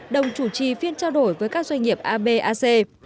đồng chủ trì phiên trao đổi với các doanh nghiệp abac